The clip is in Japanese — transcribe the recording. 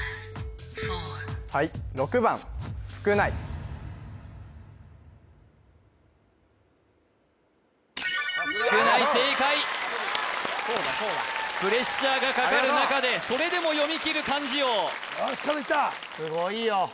はいすくない正解プレッシャーがかかる中でそれでも読み切る漢字王よーし角いったすごいよ